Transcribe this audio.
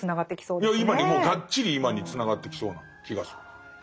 いや今にもがっちり今につながってきそうな気がする。